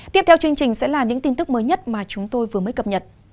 tiếp theo chương trình sẽ là những tin tức mới nhất mà chúng tôi vừa mới cập nhật